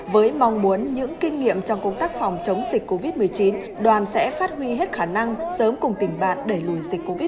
với mong muốn những kinh nghiệm trong công tác phòng chống dịch covid một mươi chín đoàn sẽ phát huy hết khả năng sớm cùng tỉnh bạn đẩy lùi dịch covid một mươi chín